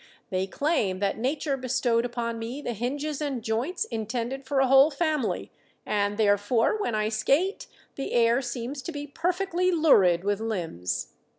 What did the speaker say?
They claim that nature bestowed upon me the hinges and joints intended for a whole family, and therefore when I skate the air seems to be perfectly lurid with limbs.